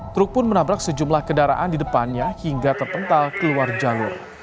truk pun menabrak sejumlah kendaraan di depannya hingga terpental keluar jalur